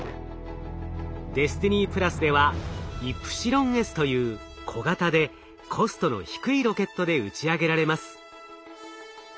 ＤＥＳＴＩＮＹではイプシロンＳという小型でコストの低いロケットで打ち上げられます。